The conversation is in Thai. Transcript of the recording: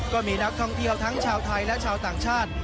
ก็มีนักท่องเที่ยวทั้งชาวไทยและชาวต่างชาติ